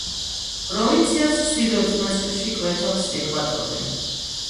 პროვინციას ჩრდილოეთ ნაწილში კვეთავს ეკვატორი.